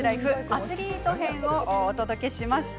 アスリート編をお届けしました。